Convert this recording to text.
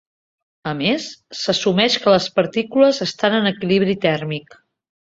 A més, s'assumeix que les partícules estan en equilibri tèrmic.